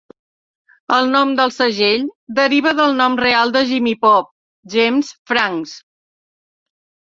El nom del segell deriva del nom real de Jimmy Pop, James Franks.